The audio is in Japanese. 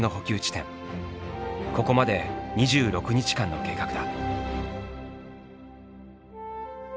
ここまで２６日間の計画だ。